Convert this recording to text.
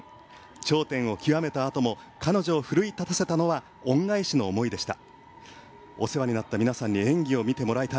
頂点を極めたあとも彼女を奮い立たせたのは恩返しの思いでした。